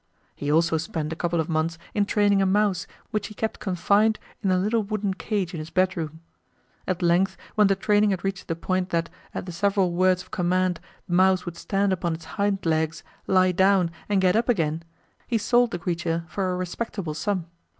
He also spent a couple of months in training a mouse, which he kept confined in a little wooden cage in his bedroom. At length, when the training had reached the point that, at the several words of command, the mouse would stand upon its hind legs, lie down, and get up again, he sold the creature for a respectable sum.